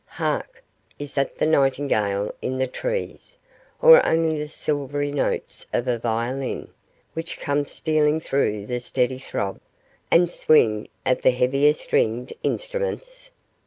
Hark! is that the nightingale in the trees, or only the silvery notes of a violin, which comes stealing through the steady throb and swing of the heavier stringed instruments?